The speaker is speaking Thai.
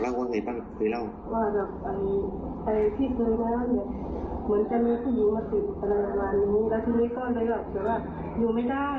เพราะว่าไม่อยากจะทนแบบนี้แล้ว